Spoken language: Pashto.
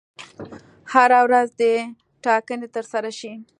هره ورځ دي ټاکنې ترسره شي.